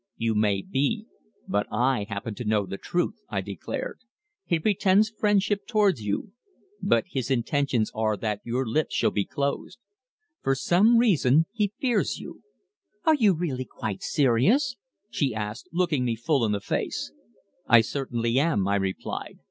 "You may be, but I happen to know the truth," I declared. "He pretends friendship towards you, but his intentions are that your lips shall be closed. For some reason he fears you." "Are you really quite serious?" she asked, looking me full in the face. "I certainly am," I replied.